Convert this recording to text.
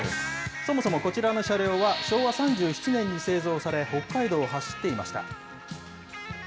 そもそもこちらの車両は、昭和３７年に製造され、北海道を走っていました。